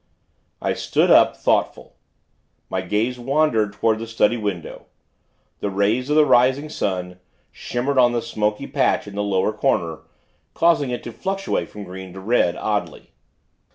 I stood up, thoughtful. My gaze wandered toward the study window. The rays of the rising sun, shimmered on the smoky patch in the lower corner, causing it to fluctuate from green to red, oddly.